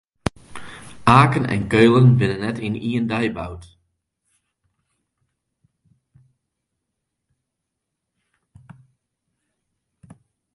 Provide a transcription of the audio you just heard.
Aken en Keulen binne net yn ien dei boud.